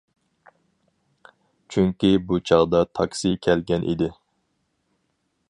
چۈنكى بۇ چاغدا تاكسى كەلگەن ئىدى.